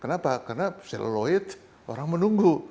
kenapa karena seluloid orang menunggu